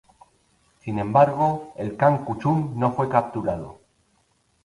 Sin embargo, el Kan Kuchum no fue capturado.